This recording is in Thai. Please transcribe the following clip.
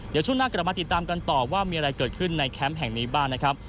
เดี๋ยวช่วงหน้ากลับมาติดตามกันต่อว่ามีอะไรเกิดขึ้นในแคมป์แห่งนี้บ้างนะครับ